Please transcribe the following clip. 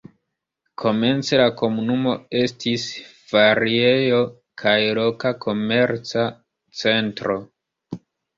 Komence la komunumo estis feriejo kaj loka komerca centro.